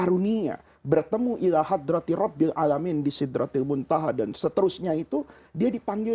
dunia bertemu ilahadratirobbilalamin disidratilbuntah dan seterusnya itu dia dipanggil